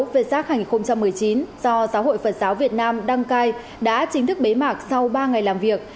vsa hai nghìn một mươi chín do giáo hội phật giáo việt nam đăng cai đã chính thức bế mạc sau ba ngày làm việc